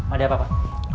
ada apa pak